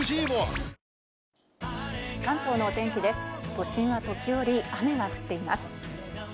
都心は時折、雨が降っています。